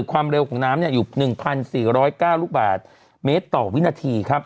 ความเร็วของน้ำเนี่ยอยู่หนึ่งพันสี่ร้อยเก้ารูปบาทเมตรต่อวินาทีครับ